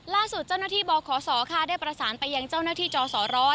ล่าสุดเจ้าหน้าที่บขศค่ะได้ประสานไปยังเจ้าหน้าที่จอสร้อย